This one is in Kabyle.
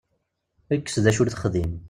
Kkes d acu ur texdim.